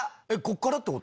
えっ！